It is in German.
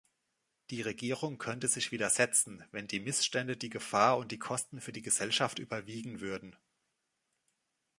Die Regierung könnte sich widersetzen, wenn die Missstände die Gefahr und die Kosten für die Gesellschaft überwiegen würden.